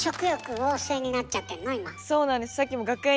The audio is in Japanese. そうなんです。